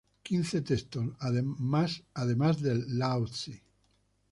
Quince textos más, además del "Lao zi".